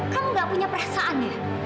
kamu gak punya perasaan ya